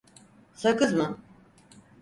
Sakız mı?